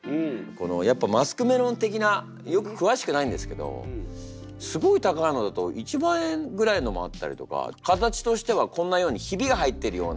やっぱマスクメロン的なくわしくないんですけどすごい高いのだと１万円ぐらいのもあったりとか形としてはこんなようにヒビが入ってるような。